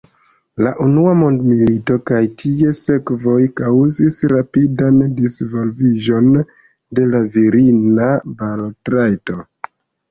La unua mondmilito kaj ties sekvoj kaŭzis rapidan disvolviĝon de la virina balotrajto.